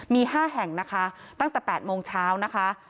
มี๕แห่งนะคะตั้งแต่๘โมงเช้านะคะ